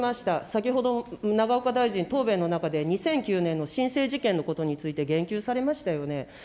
先ほど、永岡大臣、答弁の中で２００９年のしんせい事件のことについて言及されましたよね。